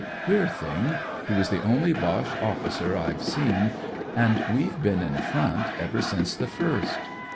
Queer thing! He was the only Boche oflScer I've seen, and we've been in front ever since the 1st."